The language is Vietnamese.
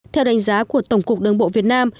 theo đánh giá của tổng cục đường bộ việt nam